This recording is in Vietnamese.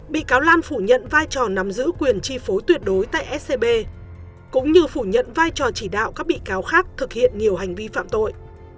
bị cáo lan phủ nhận vai trò nằm giữ quyền chi phối tuyệt đối tại scb cũng như phủ nhận vai trò chỉ đạo các bị cáo khác thực hiện nhiều hành vi phạm tội